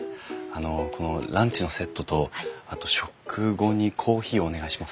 あのこのランチのセットとあと食後にコーヒーをお願いします。